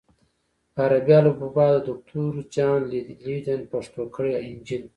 په عربي الفبا د دوکتور جان لیدن پښتو کړی انجیل